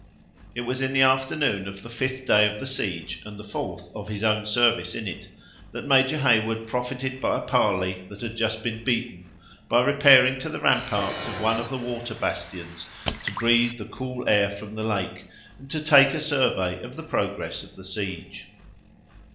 It was in the afternoon of the fifth day of the siege, and the fourth of his own service in it, that Major Heyward profited by a parley that had just been beaten, by repairing to the ramparts of one of the water bastions, to breathe the cool air from the lake, and to take a survey of the progress of the siege.